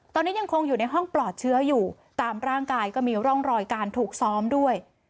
ตอนนี้ยังคงอยู่ในห้องปลอดเชื้ออยู่ตามร่างกายก็มีร่องรอยการถูกซ้อมด้วย